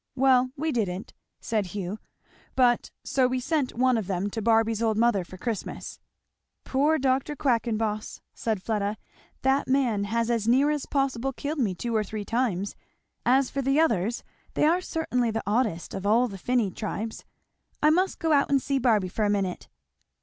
"Well, we didn't," said Hugh. "But so we sent one of them to Barby's old mother for Christmas." "Poor Dr. Quackenboss!" said Fleda. "That man has as near as possible killed me two or three times. As for the others, they are certainly the oddest of all the finny tribes. I must go out and see Barby for a minute."